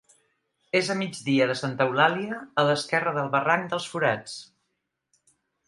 És a migdia de Santa Eulàlia, a l'esquerra del barranc dels Forats.